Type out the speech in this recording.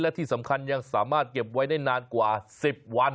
และที่สำคัญยังสามารถเก็บไว้ได้นานกว่า๑๐วัน